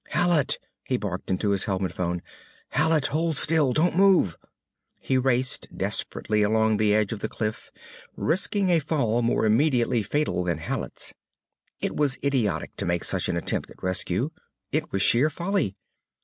"Hallet!" he barked into his helmet phone, "Hallet! Hold still! Don't move!" He raced desperately along the edge of the cliff, risking a fall more immediately fatal than Hallet's. It was idiotic to make such an attempt at rescue. It was sheer folly.